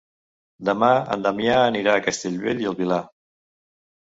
Demà en Damià anirà a Castellbell i el Vilar.